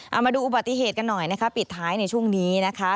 เอามาดูอุบัติเหตุกันหน่อยนะคะปิดท้ายในช่วงนี้นะคะ